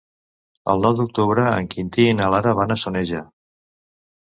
El nou d'octubre en Quintí i na Lara van a Soneja.